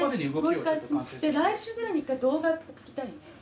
来週ぐらいに１回動画撮りたいね。